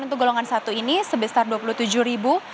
untuk golongan satu ini sebesar dua puluh tujuh ribu